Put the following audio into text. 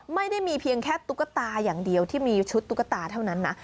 ไม่ได้มีเพียงแค่ตุ๊กตาอย่างเดียวที่มีชุดตุ๊กตาเท่านั้นนะ